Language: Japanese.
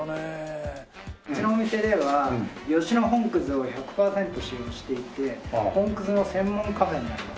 うちのお店では吉野本を１００パーセント使用していて本の専門カフェになります。